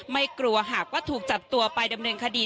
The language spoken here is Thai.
ไม่กลัวหากว่าถูกจับตัวไปดำเนินคดี